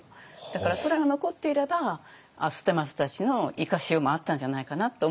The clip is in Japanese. だからそれが残っていれば捨松たちの生かしようもあったんじゃないかなと思うんですけど。